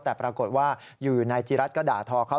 แต่ปรากฏว่าอยู่นายจีรัฐก็ด่าทอเขา